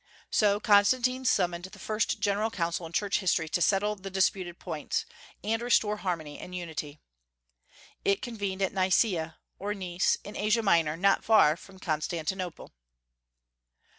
So Constantine summoned the first general council in Church history to settle the disputed points, and restore harmony and unity. It convened at Nicaea, or Nice, in Asia Minor, not far from Constantinople.